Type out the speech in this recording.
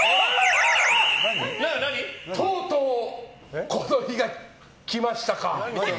とうとうこの日が来ましたか。